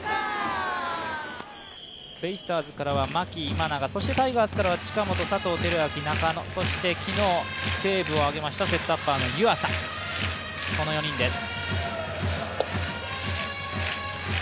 ベイスターズからは牧、今永、タイガースからは近本、佐藤輝明、中野、そして昨日、セーブを挙げましたセットアッパーの湯浅の４人です。